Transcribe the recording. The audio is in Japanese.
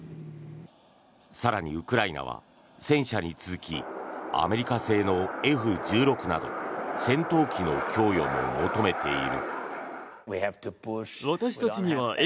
更に、ウクライナは戦車に続きアメリカ製のＦ１６など戦闘機の供与も求めている。